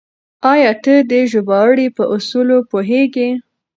آيا ته د ژباړې په اصولو پوهېږې؟